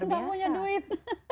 tidak ada tidak punya duit